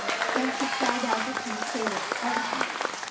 Then she cried out at him, saying, "Arise!